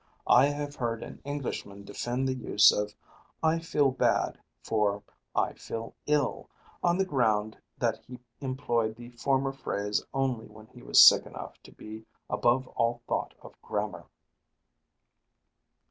I have heard an Englishman defend the use of I feel bad for I feel ill, on the ground that he employed the former phrase only when he was sick enough to be above all thought of grammar.